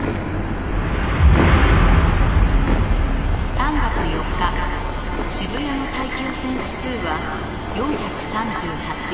「３月４日渋谷の大気汚染指数は４３８。